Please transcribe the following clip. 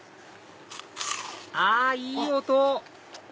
あっいい音！